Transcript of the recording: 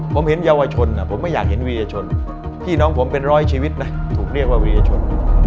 ผมเห็นเยาวชนผมไม่อยากเห็นวียชนพี่น้องผมเป็นร้อยชีวิตนะถูกเรียกว่าวีรชน